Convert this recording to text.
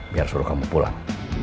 biar suruh kamu pulang